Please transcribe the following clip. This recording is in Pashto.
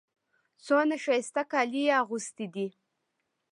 څونه ښایسته کالي يې اغوستي دي.